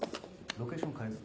ロケーション変えず？